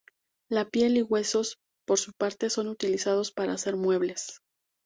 La piel y huesos, por su parte, son utilizados para hacer muebles.